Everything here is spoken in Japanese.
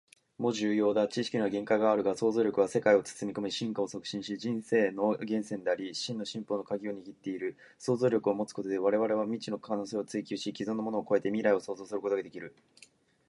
以下はアインシュタインによる名言である。想像力は知識よりも重要だ。知識には限界があるが、想像力は世界を包み込み、進化を促進し、人生の源泉であり、真の進歩の鍵を握っている。想像力を持つことで、我々は未知の可能性を追求し、既存のものを超えて未来を創造することができる。